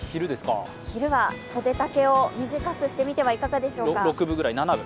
昼は袖丈を短くしてみてはいかがでしょうか。